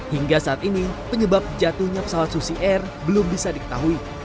hingga saat ini penyebab jatuhnya pesawat susi air belum bisa diketahui